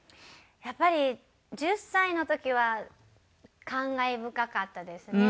やっぱり１０歳の時は感慨深かったですね。